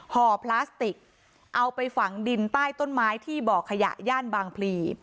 ห่อพลาสติกเอาไปฝังดินใต้ต้นไม้ที่บ่อขยะย่านบางพลี